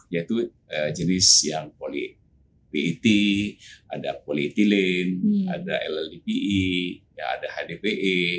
tujuh yaitu jenis yang poly pet ada polyethylene ada llpe ada hdpe